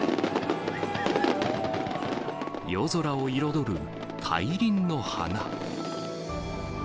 夜空を彩る大輪の華。